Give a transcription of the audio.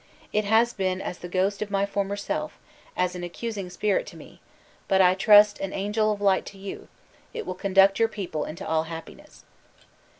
It has been as the ghost of my former self, as an accusing spirit to me, but, I trust, an angel of light to you, it will conduct your people into all happiness!"